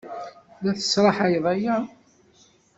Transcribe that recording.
La tesraḥayed aya?